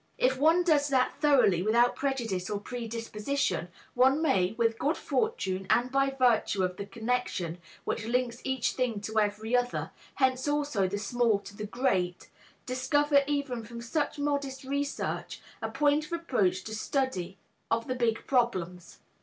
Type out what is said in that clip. If one does that thoroughly without prejudice or predisposition, one may, with good fortune, and by virtue of the connection which links each thing to every other (hence also the small to the great) discover even from such modest research a point of approach to the study of the big problems."